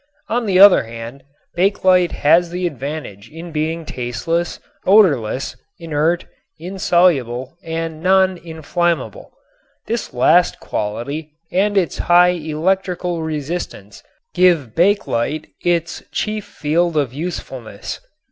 On the other hand bakelite has the advantage in being tasteless, odorless, inert, insoluble and non inflammable. This last quality and its high electrical resistance give bakelite its chief field of usefulness.